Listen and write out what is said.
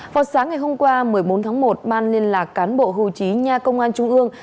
vào sáng ngày hôm qua một mươi bốn tháng một ban liên lạc cán bộ hưu trí nha công an trung ương